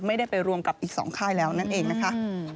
ไม่ได้ไปรวมกับอีก๒ค่ายแล้วนั่นเองนะคะ